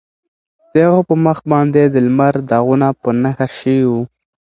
د هغه په مخ باندې د لمر داغونه په نښه شوي وو.